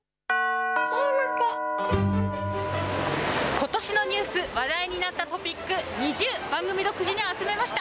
ことしのニュース、話題になったトピック２０、番組独自に集めました。